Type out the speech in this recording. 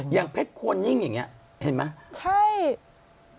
อย่างเพชรปลดกอลหนิ้งอย่างนี้เห็นไหม